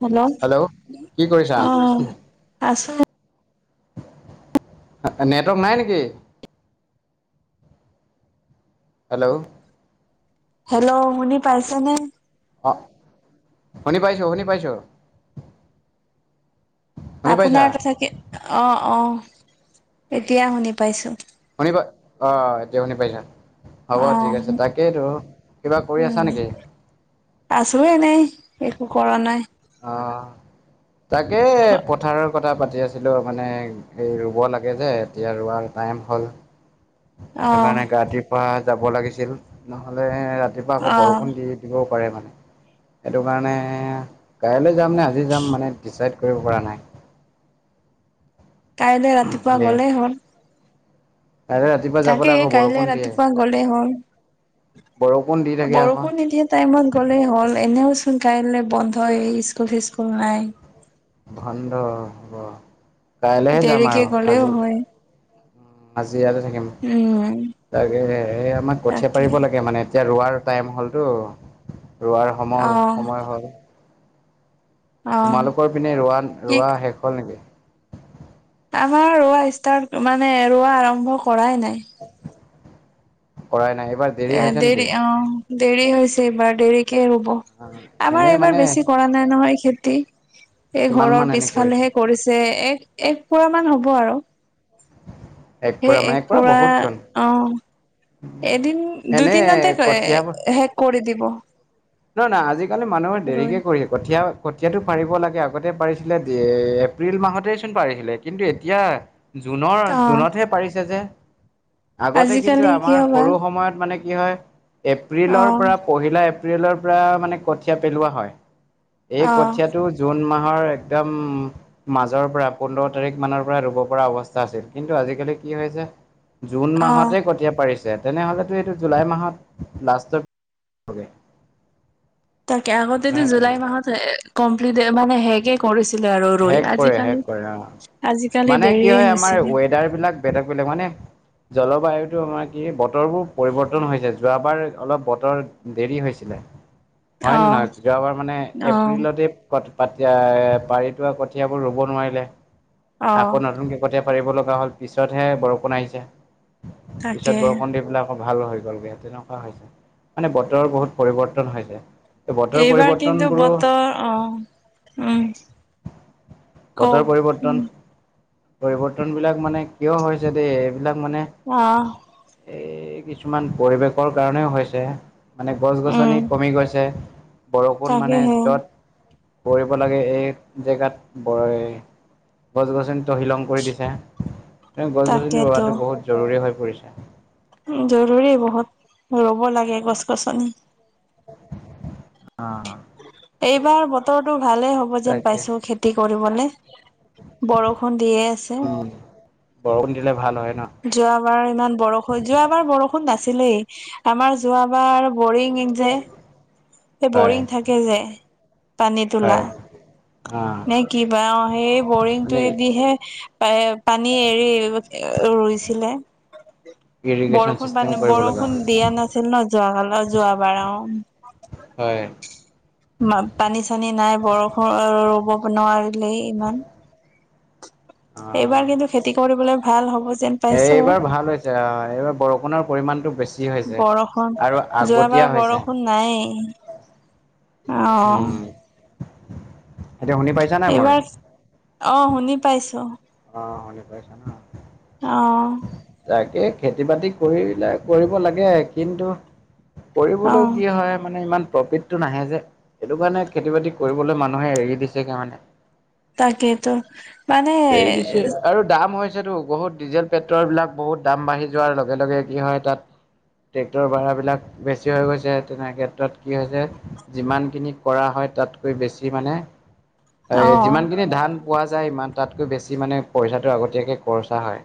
Hello, কি কৰিছা অহ, আছোঁ। আ', নেটৱৰ্ক নাই নেকি? হেল্ল' হেল্ল', শুনি পাইছেনে? অ', শুনি পাইছোঁ, শুনি পাইছোঁ। শুনি পাইছা আপোনাৰ কথাকে, অঁ অঁ, এতিয়া শুনি পাইছোঁ। শুনি পা, অঁ এতিয়া শুনি পাইছোঁ। হ'ব অ ঠিক আছে, তাকেইতো, কিবা কৰি আছা নেকি? আছোঁ এনেই, একো কৰা নাই। অঁ, তাকে পথাৰত কথা পাতি আছিলোঁ মানে, এই ৰুব লাগে যে এতিয়া ৰোৱাৰ টাইম হ'ল। অ সেইটো কাৰণে ৰাাতিপুৱা যাব লাগিছিল, নহলে ৰাতিপুৱা আকৌ অ বৰষুণ দি দিবও পাৰে মানে, সেইটো কাৰণে কাইলৈ যাম নে আজি যাম মানে ডিচাইড কৰিব পৰা নাই। কাইলৈ ৰাতিপুৱা দেই গ'লেই হ'ল। [unintelligible] তাকে আকৌ কাইলে বৰষুণ দিয়ে ৰাতিপুৱা গলেই হ'ল, বৰষুণ দি থাকে আকৌ বৰষুণ নিদিয়ে টাইমত গ'লেই হ'ল এনেওচোন কাইলে বন্ধই স্কুল চিস্কুল নাই। বন্ধ হ'ব, কাইলেহে যাম দেৰিকে আৰু গ'লেও আজি হয় আজি ইয়াতে থাকিম। উম তাকেহে, এ আমাৰ কঠিয়া তাকে পাৰিব লাগে মানে এতিয়া ৰোৱাৰ টাইম হ'লতো, ৰোৱাৰ অ সময় সময় হ'ল। অ তোমালোকৰ পিনে ৰোৱা কি ৰোৱা শেষ হ'ল নেকি? আমাৰ ৰোৱা ষ্টাৰ্ট মানে ৰোৱা আৰম্ভ কৰাই নাই। কৰাই নাই এইবাৰ এ হৈছে নেকি দেৰি অঁ দেৰি হৈছে এইবাৰ দেৰিকে ৰুব। আমাৰ এনেই এইবাৰ মানে বেছি কৰা নাই নহয় খেতি, এই কিমান মান ঘৰৰ এনে কৰিছে পিছফালেহে কৰিছে, এক এক পুৰা মান হ'ব আৰু। সেই এক পুৰা, অঁ। এদিন এনে দুদিনতে এ কঠিয়া শেষ কৰি দিব। নহয় নহয়, আজিকালি মানুহে ৰুই। দেৰিকে কৰি কঠীয়া কঠীয়াটো পাৰিব লাগে আগতে পাৰিছিলে দে এপ্ৰিল মাহতেইচোন পাৰিছিলে কিন্তু এতিয়া জুনৰ অ জুনতহে পাৰিছে যে, আগতে কিন্তু আজিকালি আমাৰ কিয় বা সৰু সময়ত মানে কি হয়, অ এপ্ৰিলৰ পৰা পহিলা এপ্ৰিলৰ পৰা মানে কঠীয়া পেলোৱা হয়। এই অ কঠিয়াটো জুন মাহৰ একদম মাজৰ পৰা পোন্ধ তাৰিখ মানৰ পৰা ৰুব পৰা অৱস্থা আছিল, কিন্তু আজিকালি কি হৈছে জুন অ মাহতে কঠিয়া পাৰিছে, তেনেহ'লেতো এইটো জুলাই মাহত লাষ্টত বগে তাকে, আগতেতো তেনে জুলাই মাহত এ কমপ্লিট এ মানে হেগে কৰিছিলে আৰু ৰুই, হেক কৰে হেক আজিকালি কৰে অ আজিকালি দেৰিয়ে হৈছেগে। কেডাৰ বিলাক বেলেগ বেলেগ মানে জলবায়ুটো আমাৰ কি বতৰবোৰ পৰিৱৰ্তন হৈছে, যোৱাবাৰ অলপ বতৰ দেৰি হৈছিলে। হয় নে অ', নহয়, যোৱাবাৰ মানে অ', এপ্ৰিলতে পট পাত আ পাৰি ৰোৱা কঠিয়াবোৰ ৰুব নোৱাৰিলে, আকৌ অ', নতুনকে আগতে পাৰিব লগা হ'ল পিছতহে বৰষুণ আহিছে, পিছত তাকে বৰষুণ দি পেলাই অ ভাল হৈ গ'লগে তেনেকুৱা হৈছে, মানে বতৰৰ বহুত পৰিৱৰ্তন হৈছে। বতৰ এইবাৰ কিন্তু পৰিৱৰ্তনবোৰো বতৰ, অঁ উম। কওক বতৰ পৰিৱৰ্তন, পৰিৱৰ্তন বিলাক মানে কিয় হৈছে দেই এইবিলাক মানে অঁ। এই কিছুমান পৰিৱেশৰ কাৰণেও হৈছে। মানে গছ উম, গছনি কমি গৈছে, বৰষূণ মানে তাকেহে যত পৰিব লাগে এই জেগাত বয় গছ গছনি তহিলং কৰি দিছে, এ গছ গছনি তাকেতো ৰুৱাটো বহুত জৰুৰী হৈ পৰিছে। উ জৰুৰী বহুত ৰুব লাগে গছ গছনি। অ অ। এইবাৰ বতৰটো ভালেই হ'ব যেন তাকে পাইছো খেতি কৰিবলে। বৰষুণ দিয়ে আছে। উম। বৰষুণ দিলে ভাল হয় ন? যোৱাবাৰ ইমান বৰষ যোৱাবাৰ বৰষুণ নাছিলেই আমাৰ যোৱাবাৰ বৰিং। যে হে হয় বৰিং থাকে যে পানী হয় তোলা। অ'। নে কিবা অ সেই মানে বৰিংটোয়েদিহে। পে পানী এৰি এ ৰুইছিলে। ইৰিগেশ্যন বৰষুণ চিষ্টেম পানী কৰিব লগা বৰষুণ হয়। দিয়া নাছিল ন? যোৱ কালত যোৱাবাৰ অ হয়। মা পানী চানী নাই বৰষৰ ৰ ৰুব নোৱাৰিলে ইমান। এইবাৰ কিন্তু খেতি কৰিবলৈ ভাল হ'ব যেন। এ পাইছো এইবাৰ ভাল হৈছে অ এইবাৰ বৰষুণৰ পৰিমণটো বেছি হৈছে। বৰষুণ আৰু যোৱাবাৰ আগতীয়া হৈছে। বৰষুণ নাই অ উম, এতিয়া শুনি পাইছ। এইবাৰ অ শুনি পাইছো। অ শুনি পাইছা ন? অ। তাকে খেতি বাতি কৰিলে কৰিব লাগে, কিন্তু- অ কৰিবলও কি হয়? মানে ইমান প্ৰফিট- টো নাহে যে, সেইটো কাৰণে খেতি বাতি কৰিবলৈ মানুহে এৰি দিছেগে মানে। তাকেইতো মানে এৰি দিছে আৰু দাম হৈছেতো বহুত ডিজেল- পেট্ৰল বিলাক বহুত দাম বাঢ়ি যোৱাৰ লগে লগে কি হয় তাত- ট্ৰেক্টৰৰ ভাড়াবিলাক বেছি হৈ গৈছে, তেনে ক্ষেত্ৰত কি হৈছে? যিমানখিনি কৰা হয়, তাতকৈ বেছি মানে অ এ যিমানখিনি ধান- পোৱা যায় ইমান, তাতকৈ বেছি মানে পইচাটো আগতীয়াকে খৰচা হয়।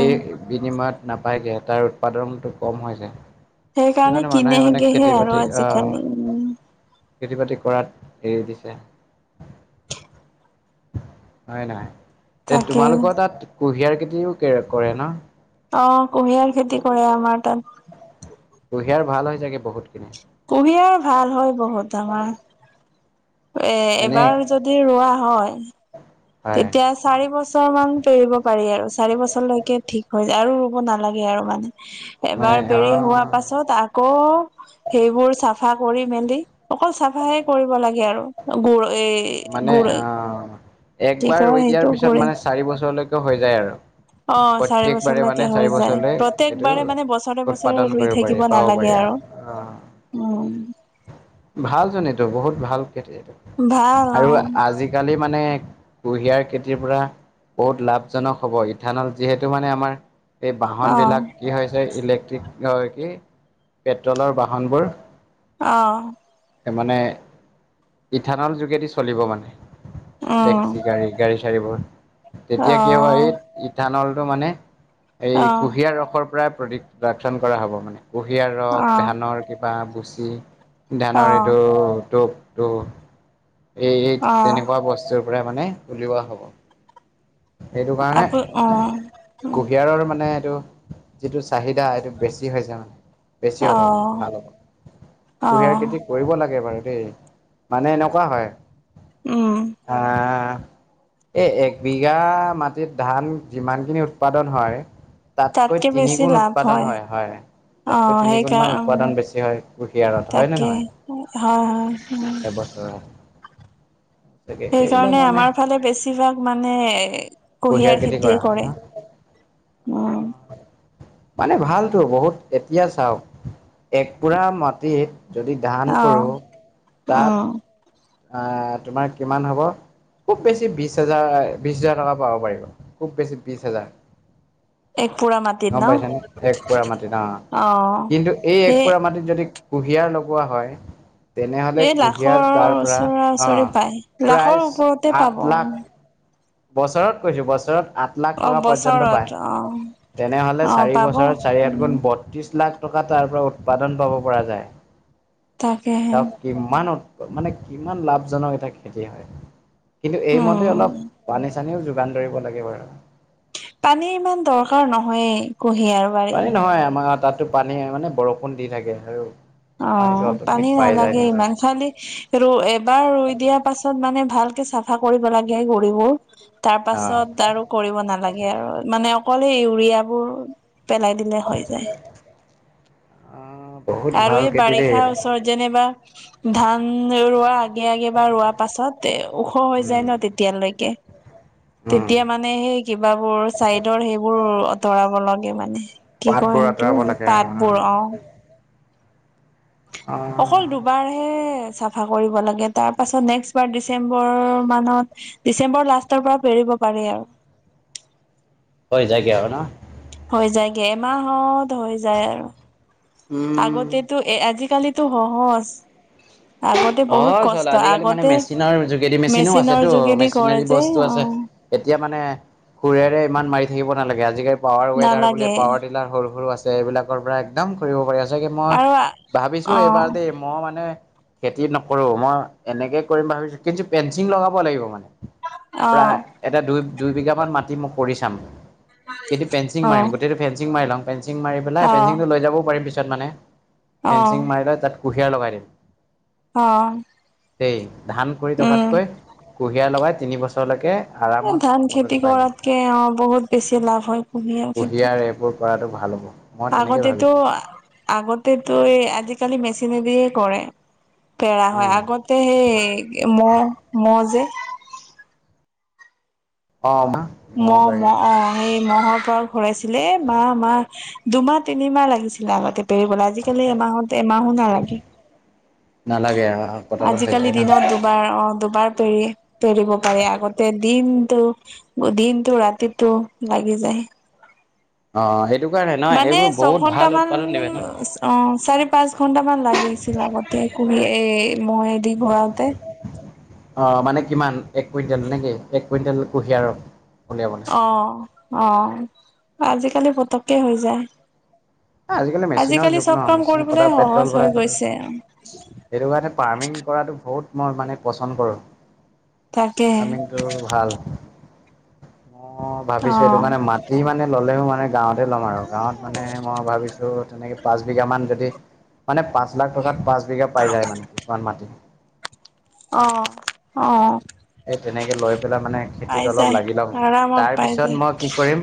এই বিনিময়ত নাপায়গে তাৰ উৎপাদনটো কম হৈ যায়। সেইকাৰণে সেইকানে মানুহে মানে কিনেগেহে খেতি আৰু বাতি আজিকালি অঁহ- উম খেতি বাতি কৰাত এৰি দিছে। হয় নহয়? এ তাকে তোমালোকৰ তাত কুঁহিয়াৰ খেতিও কৰে ন? অঁ কুঁহিয়াৰ খেতি কৰে আমাৰ তাত। কুঁহিয়াৰ ভাল হয় চাগে বহুতখিনি। কুঁহিয়াৰ ভাল হয় বহুত ডাঙৰ। এ এনেই এবাৰ যদি ৰোৱা হয়, হয় তেতিয়া- চাৰি বছৰ মান পেৰিব পাৰি আৰু চাৰি বছৰলৈকে ঠিক হৈ যায়, আৰু ৰুব নালাগে আৰু মানে। মানে এবাৰ পেৰি হোৱা অ' পাছত আকৌ- সেইবোৰ চাফা কৰি মেলি অকল চাফাহে কৰিব লাগে আৰু, গুৰ এই- মানে গুৰ আঁ কি একবাৰ কয় ৰৈ দিয়াৰ সেইটো পিছত গুৰে মানে চাৰি বছৰলৈকে হৈ যায় অ আৰু। চাৰি প্ৰত্যয়েকবাৰে বছৰলৈকে মানে হৈ চাৰি যায় বছৰলে এইটো প্ৰত্যেকবাৰে মানে বছৰে বছৰে উৎপাদন ৰুই কৰিব থাকিব পাৰি পাব নালাগে পাৰি আৰু। অঁ'। উম'। ভালচোন এইটো বহুত ভাল খেতি এইটো, ভাল আৰু আজি- কালি মানে কুঁহিয়াৰ খেতিৰ পৰা- বহুত লাভজনক হ'ব, ইথানল যিহেতু মানে আমাৰ- এই অ বাহন বিলাক কি হৈছে ইলেক্ট্ৰিক অঁ কি পেট্ৰলৰ বাহনবোৰ- অঁহ'। এ মানে ইথানল যোগেদি চলিব মানে টেক্সি উম গাড়ী গাড়ী- গাড়ীবোৰ, অ তেতিয়া কি হ'ব এই ইথানলটো মানে- এই অ কুঁহিয়াৰ ৰসৰ পৰাই প্ৰদিক-প্ৰদাকশন কৰা হ'ব মানে, কুঁহিয়াৰ ৰস, অ ধানৰ খে- বাঁহ বুচি- অ ধানৰ এইটো টোপটো, এই এই অ তেনেকুৱা বস- টোৰ পৰাই মানে উলিওৱা হ'ব। সেইটো কাৰণে, আপু অ কুঁহিয়াৰৰ মানে এইটো- যিটো চাহিদা এইটো বেছি হৈছে মানে, বেছি অ হ'ব মানে ভাল হ'ব। অ কুঁহিয়াৰ খেতি কৰিব লাগে বাৰু দেই, মানে এনেকুৱা উম হয়- আঁ আঁ'। এই এক বিঘা মাটিত ধান যিমানখিনি উৎপাদন হয়, - তাতকৈ তাতকে তিনি বেছি গুণ লাভ উৎপাদন হয় হয়, অ তাতকৈ তিনি গুণ মান সেইকাৰ উম উৎপাদন বেছি হয় কুঁহিয়াৰত। হয় নে তাকে হে হয় হয়, উম। হয়। সেইকাৰণে মানে আমাৰ ফালে বেছিভাগ মানে- কুঁহিয়াৰ খেতি খেতিয়ে কৰা হয় কৰে, ন। অঁ'। মানে ভালতো বহুত এতিয়া চাওক, এক পোৰা মাটিত- যদি ধান অ কৰ তাত উম আ তোমাৰ কিমান হ'ব খুব বেছি বিশ হাজাৰ বিশ হাজাৰ টকা পাব পাৰিব খুব বেছি বিশ হাজাৰ। এক পুৰা মাটিত গম পাইছে ন এক পোৰা মাটিত অ অ'। কিন্তু এই এক সেই পোৰা মাটিত যদি কুঁহিয়াৰ লগোৱা হয় তেনেহলে এই কুঁহিয়াৰ লাখৰ তাৰ ওচৰা সাত অ ওচৰি পায় লাখৰ প্ৰায় ওপৰতে পাব। আঠ লাখ বছৰত কৈছো বছৰত আঠ আঠ লাখ অ' টকা পৰ্যন্ত বছৰত পায় অ' তেনেহ'লে অ' চাৰি পাব বছৰত চাৰি আঠ উম গুণ ব ত্ৰিশ লাখ টকা তাৰ পৰা উৎপাদন পাব পৰা যায়। তাকেহে তেওঁক কিমান মানে কিমান লাভজনক এটা খেতি হয় কিন্তু এইমতে উম অলপ পানী চানীও যোগান ধৰিব লাগিব আৰু। পানীৰ ইমান দৰকাৰ নহয়ে কুহিয়াৰত পানী নহয় আমাৰ তাতো পানী মানে বৰষুণ দি থাকে আৰু। অ পানীটো অট'মেটিক পানী পাই যায় নালাগে নিজে ইমান খালি সেইটো এবাৰ ৰুই দিয়াৰ পাছত মানে ভালকে চাফা কৰিব লাগে গুৰিবোৰ। তাৰ অ', পাছত আৰু কৰিব নালাগে আৰু মানে অকল সেই ইউৰিয়াবোৰ পেলাই দিলে হৈ যায়। অ', বহুত আৰু ভাল এই খেতি দেই বাৰিষাৰ এইটো ওচৰত যেনেবা ধান ৰোৱা আগে আগে বা ৰোৱা পাছত এ ওখ হৈ যায় উম, ন তেতিয়ালৈকে। [unintelligible] তেতিয়া মানে সেই কিবাবোৰ চাইডৰ সেইবোৰ আঁতৰাব লাগে মানে কি কয় পাতবোৰ আঁতৰাব সেইটো লাগে পাতবোৰ অ। অ অকল দুবাৰহে চাফা কৰিব লাগে তাৰপাছত নেক্সট বাৰ ডিচেম্বৰ মানত ডিচেম্বৰ লাষ্টৰ পৰা পেৰিব পাৰি আৰু। হৈ যায়গে আৰু ন। হৈ যায়গে এমাহত হৈ যায় আৰু উম। আগতে টো এ আজি কালিতো সহজ আগতে বহুত অ', চল কষ্ট আজিকালি মানে আগতে মেচিনৰ যোগেদি মেচিনো আছেতো মেচিনৰ যোগেদি কৰে মেচিনেৰী যে বস্তু অ। আছে। এতিয়া মানে সুৰেৰে ইমান মাৰি থাকিব নালাগে আজিকালি পাৱাৰ ৱেডাৰ বুলি নালাগে পাৱাৰ যিবিলাক সৰু সৰু আছে এইবিলাকৰ পৰা একদম কৰিব পাৰি চাগে মই আৰু অ ভাবিছো অ এইবাৰ দেই মইও মানে খেতি নকৰো মই এনেকে কৰিম ভাবিছোঁ কিন্তু পেঞ্চিং লগাব লাগিব মানে অ প্ৰায় এটা দুই দুই বিঘামান মাটি মই কৰি চাম কি পেঞ্চিং মাৰিম গোটেইতো ফেঞ্চিং মাৰি লওঁ ফেঞ্চিং মাৰি পেলাই অ ফেঞ্চিংটো লৈ যাব পাৰিম পিছত মানে অ ফেঞ্চিং মাৰি লৈ তাত কুঁহিয়াৰ লগাই দিম। অ দেই ধান কৰি উম থকাতকৈ কুঁহিয়াৰ লগাই তিনি বছৰলেকে এ ধান খেতি কৰাতকে অ বহুত বেছি লাভ হয় কুঁহিয়াৰ এইবোৰ কৰাটো ভাল হ'ব মই খেতিত। তেনেকে আগতেতো ভাবিছো আগতেতো এই আজিকালি মেচিনেদিয়ে কৰে। পেৰা হয় উম। আগতে সেই মহ মহ যে অ মা মও মহ গাড়ী মহ অ এই মহৰ পৰা ঘূৰাইছিলে এই মাহ মাহ দুমাহ তিনিমাহ লাগিছিলে আগতে। পেৰিবলে আজিকালি এমাহত এমাহো নালাগে। নালাগে আৰু। আজিকালি দিনত দুবাৰ অহ, দুবাৰ পেৰি-পেৰিব পাৰে, আগতে দিনটো। দিনটো ৰাতিটো লাগি যায়। অহ', অহ' সেইটো কাৰণে। নহয় মানে এইবোৰ ছয় বহুত ভাল ঘন্টামান উৎপাদন দিবে ন। অহ, চাৰি পাঁচ ঘন্টামান লাগিছিল আগতে একোদি এ মহেদি ঘূৰাওতে। অহ, মানে কিমান এক কুইণ্টেলনে কি? এক কুইণ্টেল কুঁহিয়াৰৰ উলিয়াব লাগে। অহ', অহ' আজিকালি পতককে হৈ যায়। মেচিনৰ আজিকালি যুগ ন চব কাম মেচিন পতা কৰিবলৈ পেট্ৰল সহজ ভৰাই হৈ পতা গৈছে। সেইটো কাৰণে ফাৰ্মিং কৰাটো বহুত মই মানে পচন কৰোঁ। তাকেহে। ফাৰ্মিংটো ভাল মই অ ভাবিছোঁ, এইটো কাৰণে মাটি মানে ল'লেও মানে গাঁৱত গাঁৱতে ল'ম আৰু গাঁৱত মানে মই ভাবিছোঁ এনেকে পাঁচ বিঘা মান যদি, মানে পাঁচ লাখ টকাত পাঁচ বিঘা পাই যায় মানে কিছুমান মাটিত। অহ', অহ'। এই তেনেকে লৈ পেলাই মানে খেতিত অলপ লাগি ল'ম, আৰামত পাই তাৰপিছত যায় মই কি কৰিম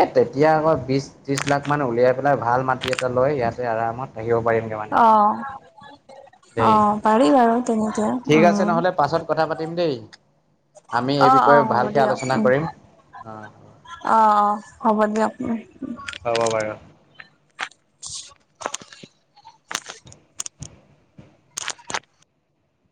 এ তেতিয়া আকৌ বিশ ত্ৰিশ লাখ মান উলিয়াই পেলাই ভাল মাটি এটা লৈ ইয়াতে আৰামত থাকিব পাৰিম। অ [unintelligible] দেই, অ', পাৰি বাৰু তেনেকে ঠিক আছে উম, নহ'লে পাছত কথা পাতিম দেই। আমি এই অহ', বিষয়ে অহ' হ'ব ভালকৈ দিয়ক। আলোচনা উম, কৰিম অ অহ', অহ' হ'ব দিয়ক উম। হ'ব বাৰু। [unintelligible]